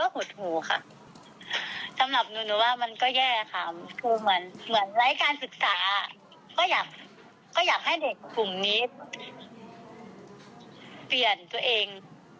เปลี่ยนตัวเอง